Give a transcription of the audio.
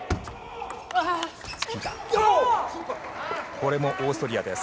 これもオーストリアです。